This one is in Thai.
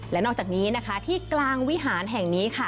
และนอกจากนี้นะคะที่กลางวิหารแห่งนี้ค่ะ